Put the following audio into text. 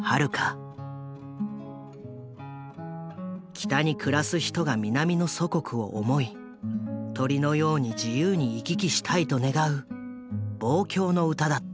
北に暮らす人が南の祖国を思い鳥のように自由に行き来したいと願う望郷の歌だった。